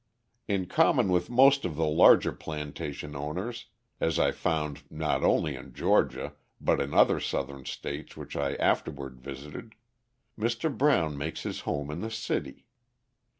In common with most of the larger plantation owners, as I found not only in Georgia, but in other Southern states which I afterward visited, Mr. Brown makes his home in the city.